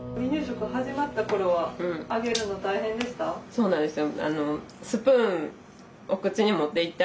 そうなんですよ。